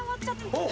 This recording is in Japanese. えっ。